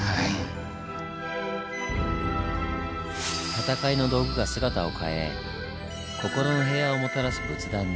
戦いの道具が姿を変え心の平和をもたらす仏壇に。